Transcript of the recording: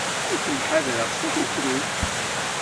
Ad kem-ḥadreɣ seg ukukru.